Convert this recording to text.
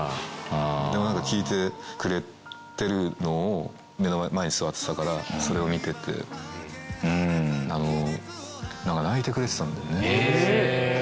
でもなんか聴いてくれてるのを、目の前に座ってたから、それを見てて、なんか泣いてくれてたんだよね。